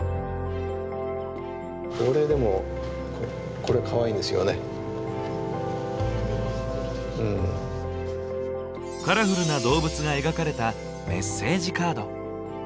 俺でもカラフルな動物が描かれたメッセージカード。